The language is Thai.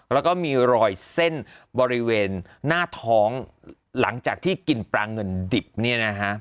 แล้วก็มีรอยเส้นบริเวณหน้าท้องหลังจากที่กินปลาเงินดิบเนี่ยนะฮะ